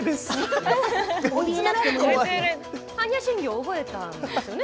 般若心経を覚えたんですよね。